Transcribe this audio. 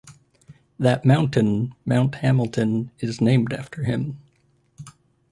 That mountain, Mount Hamilton, is named after him.